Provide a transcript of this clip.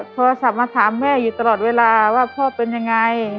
โทรศัพท์มาถามแม่อยู่ตลอดเวลาว่าพ่อเป็นยังไง